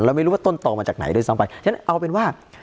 ไม่รู้ว่าต้นต่อมาจากไหนด้วยซ้ำไปฉะนั้นเอาเป็นว่า